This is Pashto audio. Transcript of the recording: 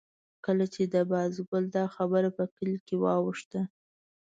کله چې د بازګل دا خبره په کلي کې واوښته.